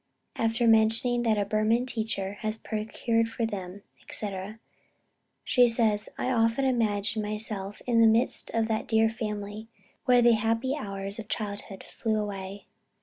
After mentioning that a Burman teacher had been procured for them, &c., she says, "I often imagine myself in the midst of that dear family, where the happy hours of childhood flew away.